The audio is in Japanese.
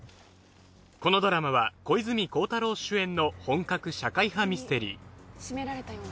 このドラマは小泉孝太郎主演の本格社会派ミステリー。